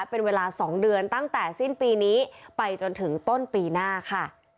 เป็นเวลา๒เดือนตั้งแต่สิ้นปีนี้ไปจนถึงต้นปีหน้าค่ะ